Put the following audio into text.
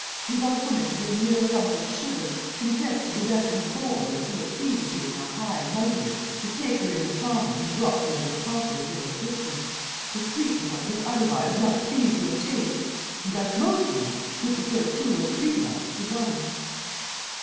You want woman to be a mere lump of sugar, content to be left in a bowl until it pleases you in your high and mightiness to take her in the tongs and drop her into the coffee of your existence, to sweeten what would otherwise not please your taste and like most men you prefer two or three lumps to one."